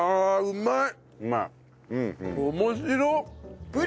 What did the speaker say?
うまい。